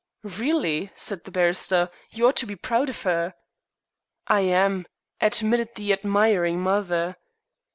"Really," said the barrister, "you ought to be proud of her." "I am," admitted the admiring mother.